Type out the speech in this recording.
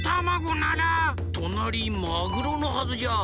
となりマグロのはずじゃ。